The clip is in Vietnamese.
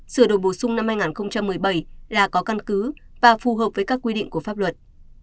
sửa đổi bổ sung năm hai nghìn một mươi bảy là có căn cứ và phù hợp với các quy định của pháp luật